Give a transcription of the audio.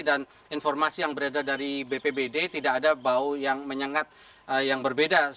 dan informasi yang berada dari bpbd tidak ada bau yang menyengat yang berbeda